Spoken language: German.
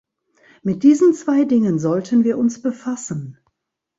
Mit diesen zwei Dingen sollten wir uns befassen.